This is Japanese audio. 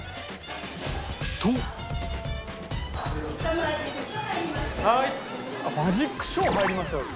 「マジックショー入りました」だって。